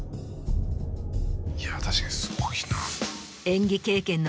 いや確かにすごいな。